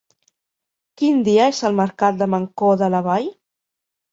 Quin dia és el mercat de Mancor de la Vall?